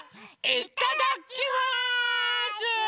いただきます！